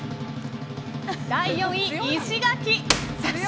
第４位、石垣。